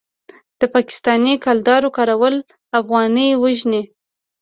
د پاکستانۍ کلدارو کارول افغانۍ وژني.